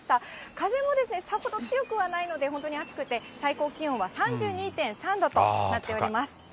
風も強くはないので本当に暑くて、最高気温は３２．３度となっております。